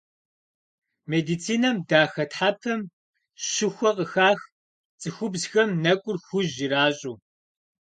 Медицинэм дахэтхьэпэм щыхуэ къыхах цӏыхубзхэм нэкӏур хужь иращӏыу.